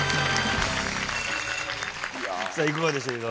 さあいかがでしたか？